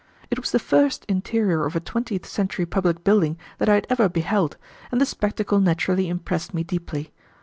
It was the first interior of a twentieth century public building that I had ever beheld, and the spectacle naturally impressed me deeply.